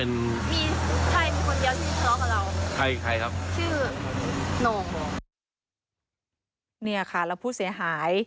เนี้ยส่วนผู้เสียหาย